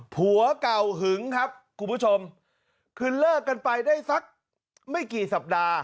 ผัวเก่าหึงครับคุณผู้ชมคือเลิกกันไปได้สักไม่กี่สัปดาห์